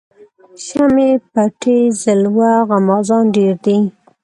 شمعی پټي ځلوه غمازان ډیر دي